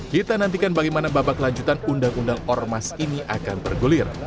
kita nantikan bagaimana babak lanjutan undang undang ormas ini akan bergulir